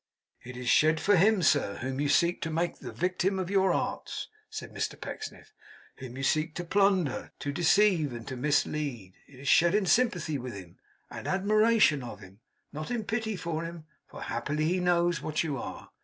'It is shed for him, sir, whom you seek to make the victim of your arts,' said Mr Pecksniff; 'whom you seek to plunder, to deceive, and to mislead. It is shed in sympathy with him, and admiration of him; not in pity for him, for happily he knows what you are.